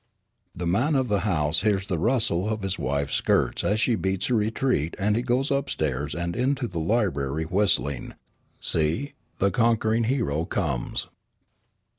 The man of the house hears the rustle of his wife's skirts as she beats a retreat and he goes upstairs and into the library whistling, "See, the Conquering Hero Comes."